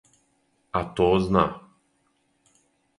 А то зна.